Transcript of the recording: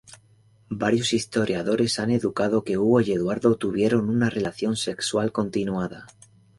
Varios historiadores han indicado que Hugo y Eduardo tuvieron una relación sexual continuada.